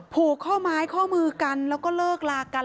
ผูกข้อไม้ข้อมือกันแล้วก็เลิกลากัน